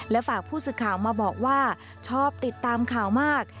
และฝากผู้สื่อข่าวมาบอกว่าชอบติดตามข่าวมาก